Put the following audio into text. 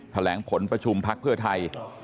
แถลงผลประชุมพักเพื่อไทย